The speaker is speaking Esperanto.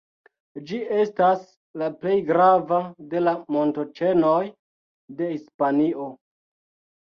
Ĝi estas la plej grava de la montoĉenoj de Hispanio.